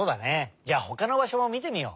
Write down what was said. じゃあほかのばしょもみてみよう。